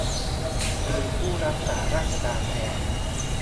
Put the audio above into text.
หรือผู้รักษาราชการแทน